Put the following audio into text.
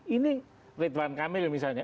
ini ridwan kamil misalnya